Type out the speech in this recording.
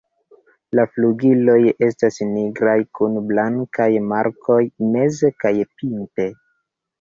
La flugiloj estas nigraj kun blankaj markoj meze kaj pinte.